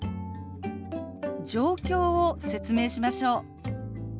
状況を説明しましょう。